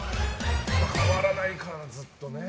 変わらないからな、ずっと。